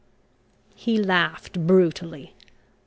He laughed brutally.